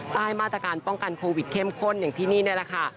ใต้มาตรการป้องกันโควิดเข้มข้นอย่างที่นี่นี่แหละค่ะ